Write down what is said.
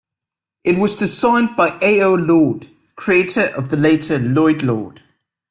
It was designed by A. O. Lord, creator of the later Loyd-Lord.